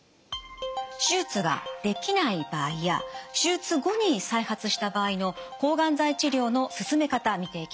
手術ができない場合や手術後に再発した場合の抗がん剤治療の進め方見ていきます。